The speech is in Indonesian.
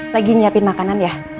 lagi nyiapin makanan ya